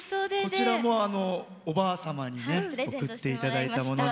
こちらもおばあ様に贈っていただいたもので。